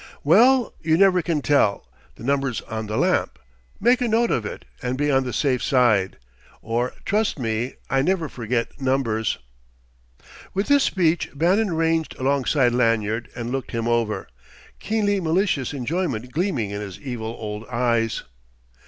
"Well, you never can tell. The number's on the lamp. Make a note of it and be on the safe side. Or trust me I never forget numbers." With this speech Bannon ranged alongside Lanyard and looked him over, keenly malicious enjoyment gleaming in his evil old eyes.